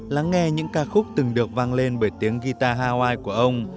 lắng nghe những ca khúc từng được vang lên bởi tiếng guitar hawaii của ông